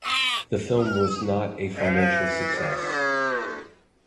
The film was not a financial success.